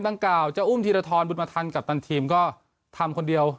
กล่าวจะอุ้มธีรทรบุญมาทันกัปตันทีมก็ทำคนเดียว